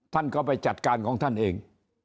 ท่านก็ไปจัดการของท่านเอง